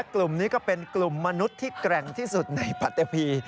กลุ่มนี้ก็เป็นกลุ่มมนุษย์ที่แกร่งที่สุดในปัตเตอร์พี